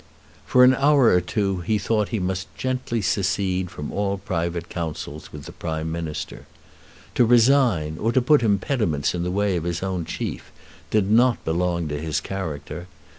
For an hour or two he thought that he must gently secede from all private councils with the Prime Minister. To resign, or to put impediments in the way of his own chief, did not belong to his character.